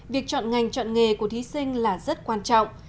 việc chọn ngành chọn nghề của thí sinh là rất quan trọng